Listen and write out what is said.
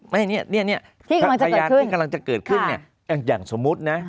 เนี่ยคำพยานที่กำลังจะเกิดขึ้นเนี่ยอย่างสมมุตินะ